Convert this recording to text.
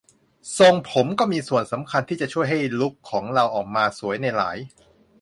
ทรงผมก็มีส่วนสำคัญที่จะช่วยให้ลุคของเราออกมาสวยในหลาย